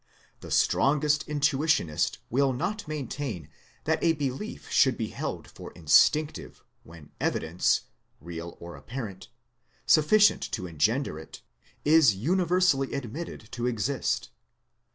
The strongest Intuitionist will not maintain that a belief should be held for instinctive when evidence (real or apparent), sufficient to engender it, is universally admitted to exist.